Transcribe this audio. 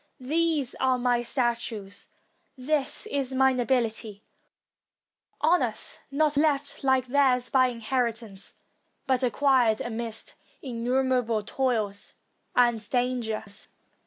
These are my statues; this is my nobility; honors, not left, like theirs, by inheritance, but acquired amidst innumerable toils and dangers.